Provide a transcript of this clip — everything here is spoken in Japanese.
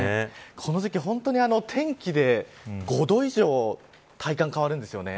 この時期、本当に天気で５度以上体感変わるんですよね。